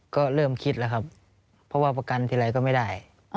ก็เริ่มคิดแล้วครับเพราะว่าประกันทีไรก็ไม่ได้